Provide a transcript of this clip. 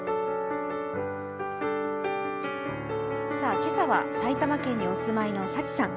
今朝は埼玉県にお住まいのさちさん。